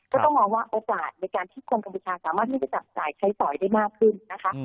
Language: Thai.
ก็ต้องมองว่าโอกาสในการที่คนกัมพูชาสามารถที่จะจับจ่ายใช้สอยได้มากขึ้นนะคะ